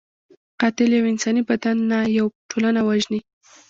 قاتل یو انساني بدن نه، یو ټولنه وژني